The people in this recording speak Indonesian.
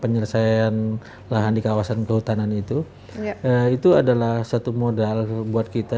penyelesaian lahan di kawasan kehutanan itu itu adalah satu modal buat kita